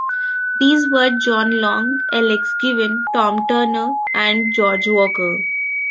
These were John Long, Alex Given, Tom Turner and George Walker.